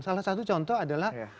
salah satu contoh adalah